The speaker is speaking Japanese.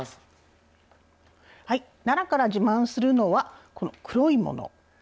奈良から自慢するのは、この黒いもの。